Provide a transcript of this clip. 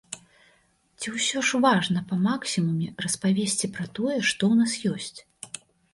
Ці ўсё ж важна па максімуме распавесці пра тое, што ў нас ёсць?